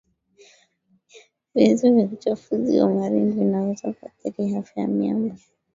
Vyanzo vya uchafuzi wa marine vinaweza kuathiri afya ya miamba